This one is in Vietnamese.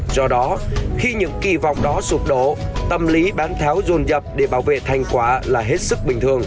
do đó khi những kỳ vọng đó sụp đổ tâm lý bán tháo dồn dập để bảo vệ thành quả là hết sức bình thường